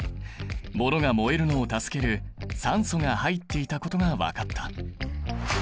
ものが燃えるのを助ける酸素が入っていたことが分かった。